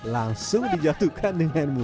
langsung dijatuhkan dengan mudah